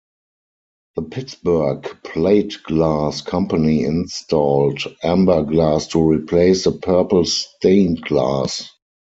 The Pittsburgh Plate Glass Company installed amber glass to replace the purple stained glass.